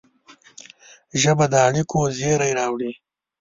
ژبه د اړیکو زېری راوړي